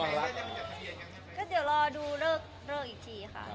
เอาบ้างรักนะครับ